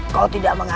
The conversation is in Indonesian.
kau tidak mengerti